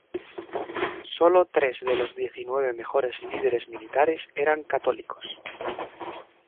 Sólo tres de los diecinueve mejores líderes militares eran católicos.